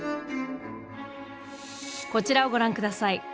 こちらをご覧ください。